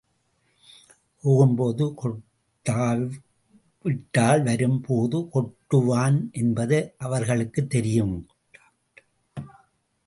போகும் போது கொட்டாவிட்டால், வரும் போது கொட்டுவான் என்பது அவர்களுக்குத் தெரியும்.